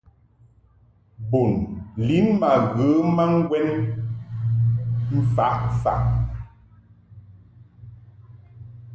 Bun lin ma ghə ma ŋgwɛn mfaʼ faʼ.